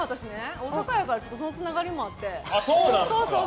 大阪やからそのつながりもあって。